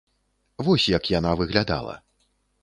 Вось як яна выглядала.